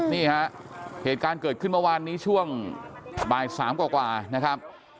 นี่ฮะเหตุการณ์เกิดขึ้นเมื่อวานนี้ช่วงบ่าย๓กว่านะครับ